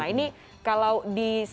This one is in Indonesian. nah ini kalau di